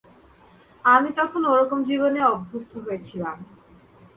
আমি তখন ওরকম জীবনে অভ্যস্ত হয়েছিলাম।